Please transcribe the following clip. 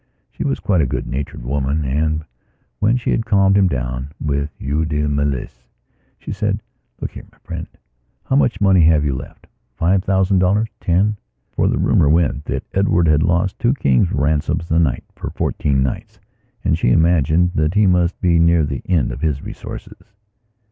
She was quite a good natured woman. And, when she had calmed him down with Eau de Mélisse, she said: "Look here, my friend, how much money have you left? Five thousand dollars? Ten?" For the rumour went that Edward had lost two kings' ransoms a night for fourteen nights and she imagined that he must be near the end of his resources.